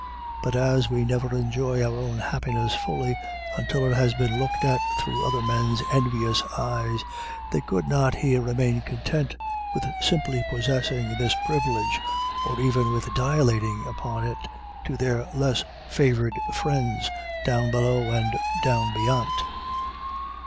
But as we never enjoy our own happiness fully until it has been looked at through other men's envious eyes, they could not here remain content with simply possessing this privilege, or even with dilating upon it to their less favoured friends down below and down beyant.